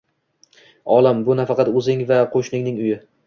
Olam – bu nafaqat o‘zing va qo‘shningning uyi.